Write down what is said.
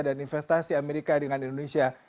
dan investasi amerika dengan indonesia